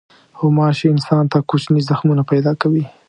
غوماشې انسان ته کوچني زخمونه پیدا کوي.